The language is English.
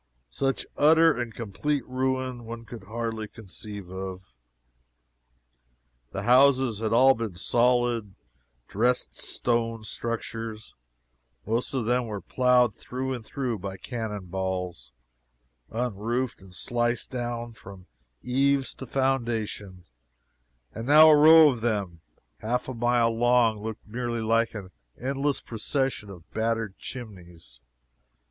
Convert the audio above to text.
Such utter and complete ruin one could hardly conceive of. The houses had all been solid, dressed stone structures; most of them were ploughed through and through by cannon balls unroofed and sliced down from eaves to foundation and now a row of them, half a mile long, looks merely like an endless procession of battered chimneys.